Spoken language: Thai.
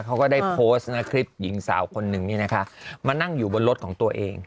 เขาก็ได้โพสต์คลิปหญิงสาวคนนึงนี่นะคะมานั่งอยู่บนรถของตัวเอง